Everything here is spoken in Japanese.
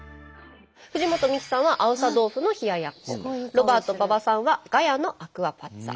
藤本美貴さんはあおさ豆腐の冷ややっこロバート馬場さんはガヤのアクアパッツァ。